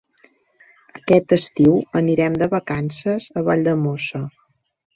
Aquest estiu anirem de vacances a Valldemossa.